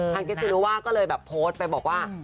ฮังเกซิลว่าก็เลยโพสต์ไปบอกว่า